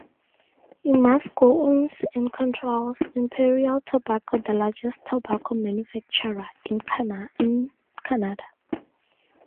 Imasco owns and controls Imperial Tobacco, the largest tobacco manufacturer in Canada.